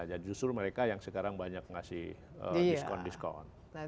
dan justru mereka yang sekarang banyak ngasih diskon diskon